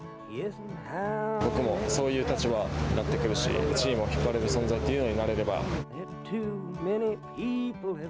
僕もそういう立場になってくるしチームを引っ張れる存在というのになれれば。